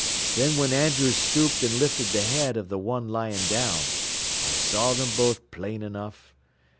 Thin when Andrews stooped an' lifted th' head av th' one lyin' down, I saw them both plain enough.